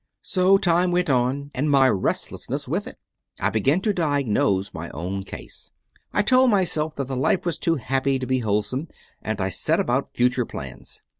8. So time went on and my restlessness with it. I began to diagnose my own case. I told myself that the life was too happy to be wholesome, and I set about future plans.